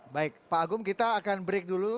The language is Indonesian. baik pak agung kita akan break dulu